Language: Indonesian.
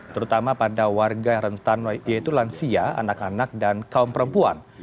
terutama pada warga yang rentan yaitu lansia anak anak dan kaum perempuan